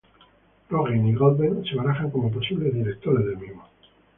Rogen y Goldberg se barajan como posibles directores del mismo.